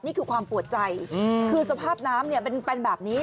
นี่คือความปวดใจคือสภาพน้ำเนี่ยเป็นแบบนี้